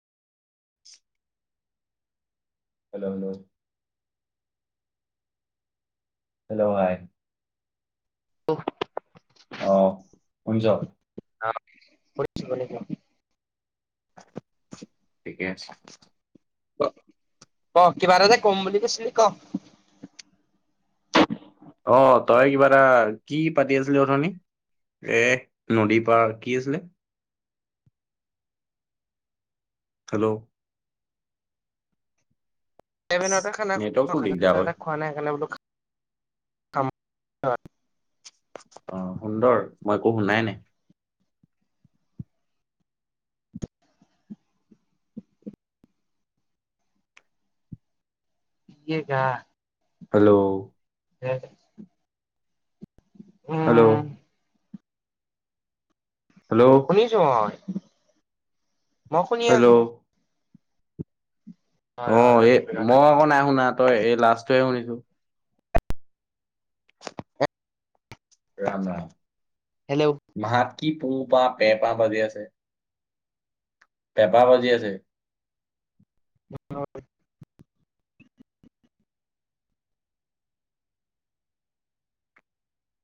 [inaudible] Hello hello? Hello হায়। [unintelligible] অ', শুনিছ? অ', শুনিছো শুনিছো। ঠিকে আছে। [unintelligible] কিবা এটা যে ক'ম বুলি কৈছিলি ক'? অ', তই কিবা এটা কি পাতি আছিলি অথনী? এ নদীৰ পাৰত কি আছিলে? হেল্ল' ইভেনতে খানা খোৱা নেটৱৰ্কটো খ এ দিগদাৰ কৰে খোৱা নাই সেইকাৰণে বোলো খাম। অ' সুন্দৰ মই একো শুনাই নাই। ইয়ে জা। হেল্ল' দে উ হেল্ল'। হেল্ল'। শুনিছো, হয়। মই শুনি আছো। হেল্ল' ৰ অ, ৰ ৰ এই নিবিড়ত মই আহিব আকৌ নাই শুনা, তই এই লাষ্টটোৱে শুনিছো। ৰাম ৰাম। হেল্ল'। মাত কি পুহ পা পে পা বাজি আছে? পেঁপা বাজি আছে। হয়।